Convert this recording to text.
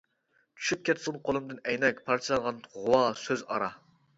چۈشۈپ كەتسۇن قولۇمدىن ئەينەك، پارچىلانغان غۇۋا سۆز ئارا.